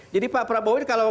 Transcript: jadi pak prabowo ini kalau